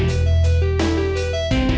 liat gue cabut ya